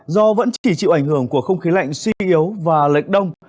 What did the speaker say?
do vẫn chỉ chịu ảnh hưởng của không khí lạnh suy yếu và lệch đông